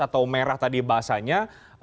atau merah tadi bahasanya